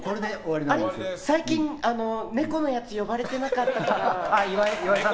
最近、猫のやつ呼ばれてなかったから。